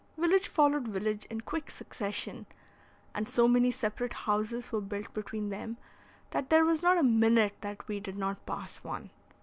Village followed village in quick succession, and so many separate houses were built between them, that there was not a minute that we did not pass one.